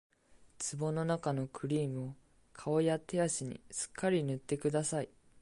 壺のなかのクリームを顔や手足にすっかり塗ってください